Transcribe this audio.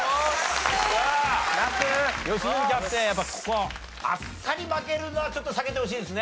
さあ良純キャプテンここあっさり負けるのはちょっと避けてほしいですね。